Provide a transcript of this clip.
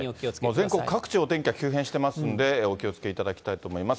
全国各地、お天気が急変してますので、お気をつけいただきたいと思います。